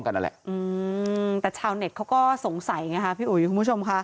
นั่นแหละอืมแต่ชาวเน็ตเขาก็สงสัยไงค่ะพี่อุ๋ยคุณผู้ชมค่ะ